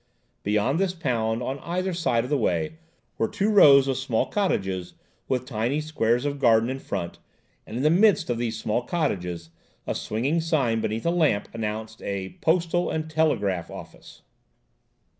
Beyond this pound, on either side of the way, were two rows of small cottages with tiny squares of garden in front, and in the midst of these small cottages a swinging sign beneath a lamp announced a "Postal and Telegraph Office."